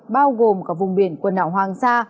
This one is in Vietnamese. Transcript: bao gồm cả vùng biển quần ảo hoàng sa